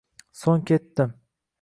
So‘ng ketdi.